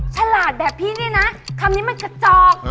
ฉลาดแบบพี่เนี่ยนะคำนี้มันกระจอก